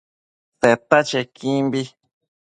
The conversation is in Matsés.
Seta chequimbi